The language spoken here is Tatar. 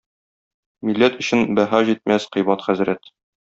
Милләт өчен бәһа җитмәс кыйбат хәзрәт.